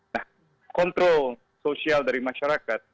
nah kontrol sosial dari masyarakat